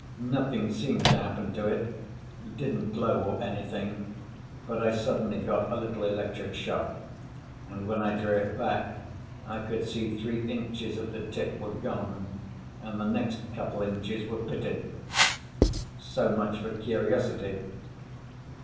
Nothing seemed to happen to it. It didn't glow or anything; but I suddenly got a little electric shock, and when I drew it back I could see three inches of the tip were gone and the next couple inches were pitted. So much for curiosity.